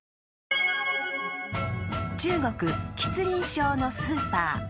中国・吉林省のスーパー。